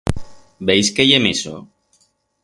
Veis qué i he meso?